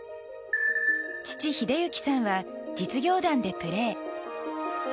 父・英幸さんは実業団でプレー。